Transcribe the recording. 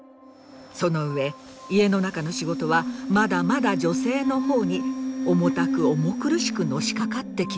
その上家の中の仕事はまだまだ女性の方に重たく重苦しくのしかかってきます。